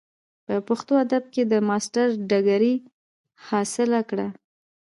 پۀ پښتو ادب کښې د ماسټر ډګري حاصله کړه ۔